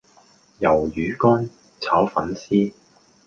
魷魚乾炒粉絲